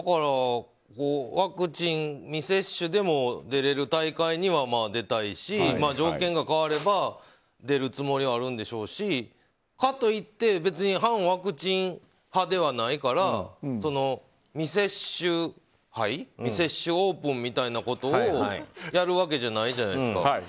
ワクチン未接種でも出られる大会には出たいし条件が変われば出るつもりはあるんでしょうしかといって反ワクチン派ではないから未接種杯未接種オープンみたいなことをやるわけじゃないじゃないですか。